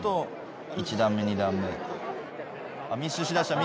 １段目２段目。